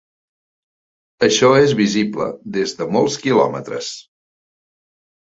Això és visible des de molts quilòmetres.